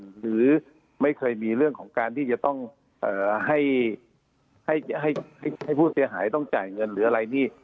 หรือไม่เคยมีเรื่องของการที่จะต้องให้ผู้เสียหายต้องจ่ายเงินหรืออะไรนี่